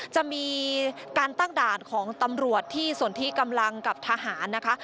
จะมีการตั้งด่านของตำรวจที่สนที่กำลังกับทหารนะคะ